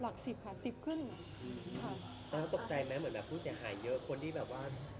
แล้วตกใจไหมเหมือนผู้เสียงหายเยอะคนที่แบบว่า